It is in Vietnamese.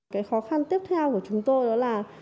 cái khó khăn tiếp theo của chúng tôi đó là